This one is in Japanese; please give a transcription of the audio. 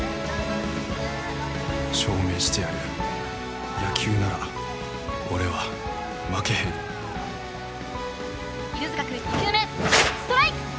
証明してやる野球なら俺は負けへん犬塚くん２球目ストライク！